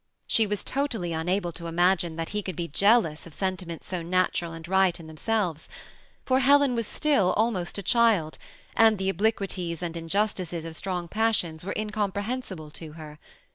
She was totally unable to imagine that he coald be jealous of sentiments so natural and right in themselves ; for Helen was still almost a child, and the obliquities and injustices of strong passions were incomprehensible to her.